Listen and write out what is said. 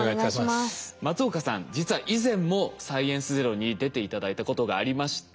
松岡さん実は以前も「サイエンスＺＥＲＯ」に出て頂いたことがありまして。